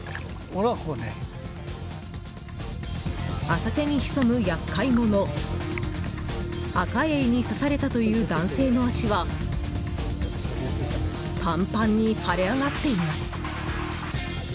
浅瀬に潜む厄介者アカエイに刺されたという男性の足はパンパンに腫れ上がっています。